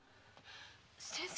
先生